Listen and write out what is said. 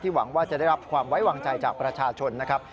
หวังว่าจะได้รับความไว้วางใจจากประชาชนนะครับ